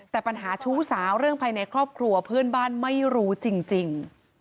แต่ปัญหาชู้สาวเรื่องภายในครอบครัวเพื่อนบ้านไม่รู้จริง